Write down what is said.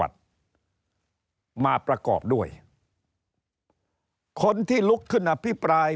มาประกอบด้วยคนที่ลุกขึ้นอภิปราย